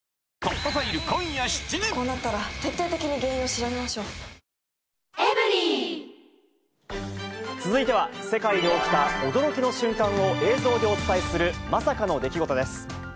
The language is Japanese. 新「アタックＺＥＲＯ」続いては、世界で起きた驚きの瞬間を映像でお伝えする、まさかの出来事です。